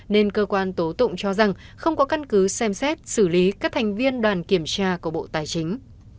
nên cơ quan tố tụng cho rằng không có căn cứ xem xét xử lý các thành viên đoàn kiểm tra của bộ tài chính